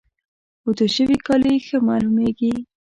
اوتو شوي کالي ښه معلوميږي.